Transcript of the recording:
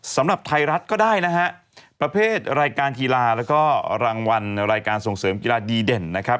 สำหรับไทยรัฐก็ได้นะฮะประเภทรายการกีฬาแล้วก็รางวัลรายการส่งเสริมกีฬาดีเด่นนะครับ